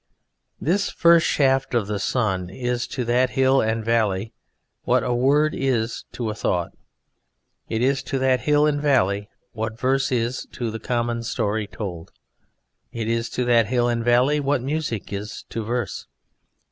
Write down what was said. This first shaft of the sun is to that hill and valley what a word is to a thought. It is to that hill and valley what verse is to the common story told; it is to that hill and valley what music is to verse.